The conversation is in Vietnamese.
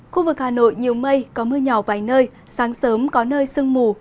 khu vực hà nội nhiều mây có mưa nhỏ vài nơi sáng sớm có nơi sương mù